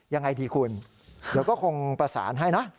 ยังไงดีคุณเดี๋ยวก็คงประสานให้นะ